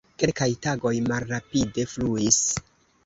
Kelkaj tagoj malrapide fluis.